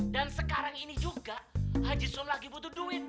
dan sekarang ini juga haji sulam lagi butuh duit